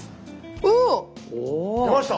おお！出ました？